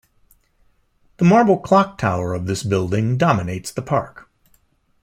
The marble clock tower of this building dominates the park.